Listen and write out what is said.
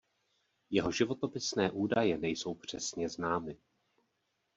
Jeho životopisné údaje nejsou přesně známy.